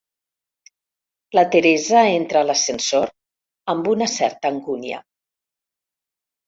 La Teresa entra a l'ascensor amb una certa angúnia.